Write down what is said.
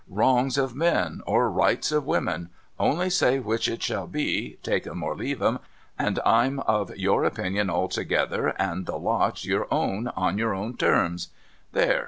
"Wrongs of Men or Rights of Women — only say which it shall be, take 'em or leave 'em, and I'm of your opinion altogether, and the lot's your own on your own terms. There